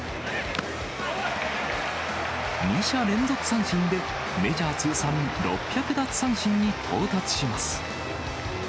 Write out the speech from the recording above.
２者連続三振で、メジャー通算６００奪三振に到達します。